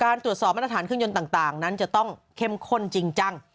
ตรวจสอบมาตรฐานเครื่องยนต์ต่างนั้นจะต้องเข้มข้นจริงจัง